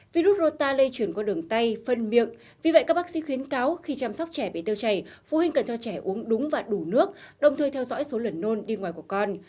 virus rota lây chuyển qua đường tay phân miệng vì vậy các bác sĩ khuyến cáo khi chăm sóc trẻ bị tiêu chảy phụ huynh cần cho trẻ uống đúng và đủ nước đồng thời theo dõi số lần nôn đi ngoài của con